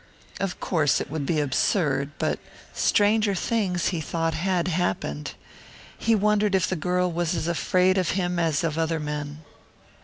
Of course it would be absurd, but stranger things, he thought, had happened. He wondered if the girl was as afraid of him as of other men.